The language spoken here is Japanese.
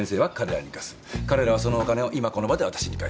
彼らはそのお金を今この場で私に返す。